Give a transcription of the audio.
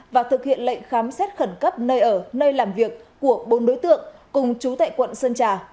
và thực hiện lệnh khám xét khẩn cấp nơi ở nơi làm việc của bốn đối tượng cùng chú tại quận sơn trà